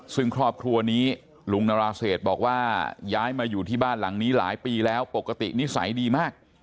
ซึ่งครอบครัวนี้ลุงนราเศษบอกว่าย้ายมาอยู่ที่บ้านหลังนี้หลายปีแล้วปกตินิสัยดีมาก